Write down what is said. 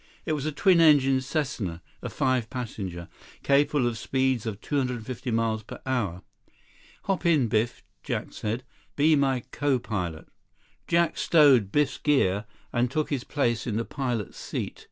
It was a twin engine Cessna, a five passenger, capable of a speed of 250 miles per hour. "Hop in, Biff," Jack said. "Be my co pilot." Jack stowed Biff's gear, and took his place in the pilot's seat.